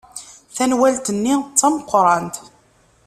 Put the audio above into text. Tanwalt-nni d tameqrant.